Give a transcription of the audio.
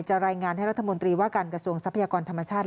รายงานให้รัฐมนตรีว่าการกระทรวงทรัพยากรธรรมชาติ